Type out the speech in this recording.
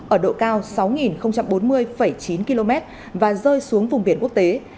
ở độ cao sáu bốn mươi chín km và rơi xuống vùng biển quốc tế